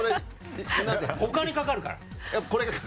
お金かかるから。